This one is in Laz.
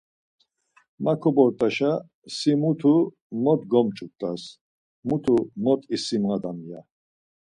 Ma kobort̆aşa si mutu mot gomç̌ut̆as, mutu mot isimadam ya.